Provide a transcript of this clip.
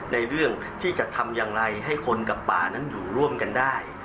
ในเรื่องที่จะทำอย่างไรให้คนกับป่านั้นอยู่ร่วมกันได้